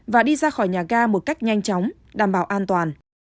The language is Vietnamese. và đi ra khỏi nhà ga một cách nhanh chóng đảm bảo an toàn